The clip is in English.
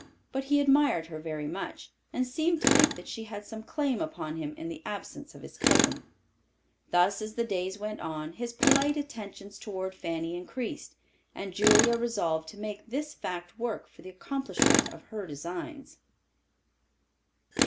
But he admired her very much, and seemed to think that she had some claim upon him in the absence of his cousin. Thus, as days went on, his polite attentions toward Fanny increased, and Julia resolved to make this fact work for the accomplishment of her designs.